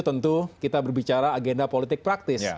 tentu kita berbicara agenda politik praktis